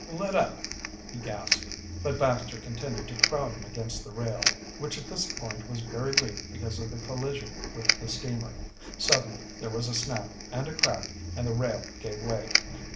"Le let up!" he gasped, but Baxter continued to crowd him against the rail, which at this point was very weak because of the collision with the steamer. Suddenly there was a snap and a crack and the rail gave way.